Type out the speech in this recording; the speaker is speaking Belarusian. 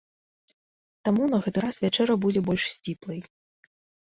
Таму на гэты раз вячэра будзе больш сціплай.